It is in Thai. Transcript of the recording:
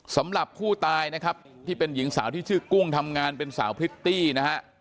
สำหรับผู้ตายนะครับที่เป็นหญิงสาวที่ชื่อกุ้งทำงานเป็นสาวพริตตี้นะฮะ